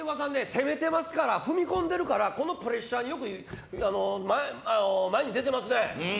攻めてますから、踏み込んでますからこのプレッシャーによく前に出てますね。